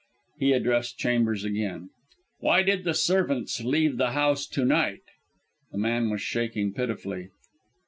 He addressed Chambers again. "Why did the servants leave the house to night?" The man was shaking pitifully.